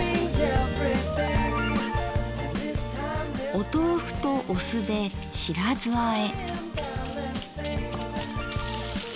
お豆腐とお酢で「白酢あえ」。